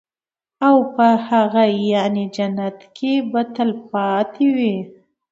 او په هغه يعني جنت كي به تل تلپاتي وي